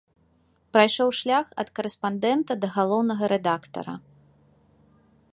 Прайшоў шлях ад карэспандэнта да галоўнага рэдактара.